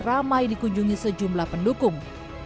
ramai dikunjungi sejumlah pendukung